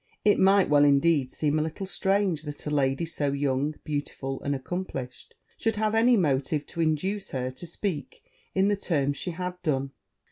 It might well, indeed, seem a little strange that a lady so young, beautiful, and accomplished, should have any motive to induce her to speak in the terms she had done.